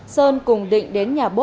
sơn cùng định đến nhà bố